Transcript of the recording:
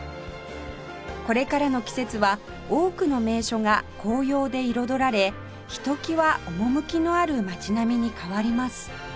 これからの季節は多くの名所が紅葉で彩られひときわ趣のある街並みに変わります